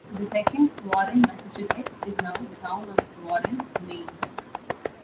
The second "Warren, Massachusetts" is now the town of Warren, Maine.